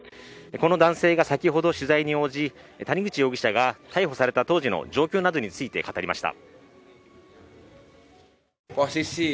この男性が先ほど取材に応じ、谷口容疑者が逮捕された当時の状況などについて語りました。